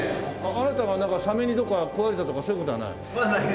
あなたがなんかサメにどっか食われたとかそういう事はないの？